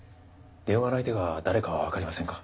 電話の相手が誰かはわかりませんか？